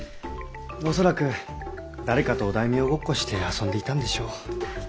恐らく誰かとお大名ごっこして遊んでいたんでしょう。